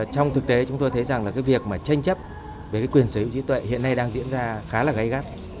trong thực tế chúng tôi thấy rằng là cái việc mà tranh chấp về cái quyền sở hữu trí tuệ hiện nay đang diễn ra khá là gây gắt